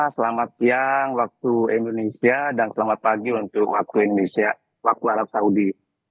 selamat siang waktu indonesia dan selamat pagi untuk waktu indonesia waktu arab saudi